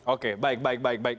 oke baik baik baik